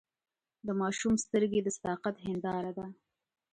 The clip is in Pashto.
د ماشوم سترګې د صداقت هنداره ده.